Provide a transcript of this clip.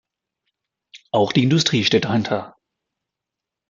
Auch die Industrie steht dahinter.